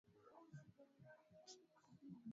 Tayarisha unga wako kwa ajili ya kuoka mkate wako